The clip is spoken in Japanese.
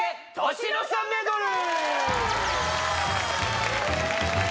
年の差メドレー